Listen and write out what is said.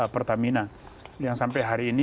pertamina yang sampai hari ini